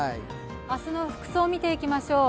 明日の服装、見ていきましょう。